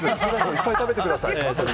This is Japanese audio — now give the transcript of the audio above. いっぱい食べてください。